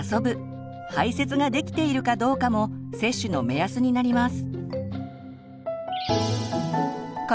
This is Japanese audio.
排せつができているかどうかも接種の目安になります。